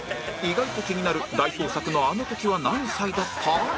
意外と気になる代表作のあの時は何歳だった？